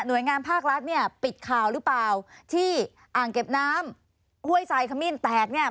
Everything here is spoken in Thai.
โดยงานภาครัฐเนี่ยปิดข่าวหรือเปล่าที่อ่างเก็บน้ำห้วยทรายขมิ้นแตกเนี่ย